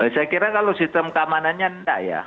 saya kira kalau sistem keamanannya enggak ya